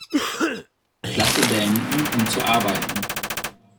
Klasse beenden um zu arbeiten.